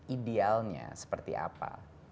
idealnya seperti apa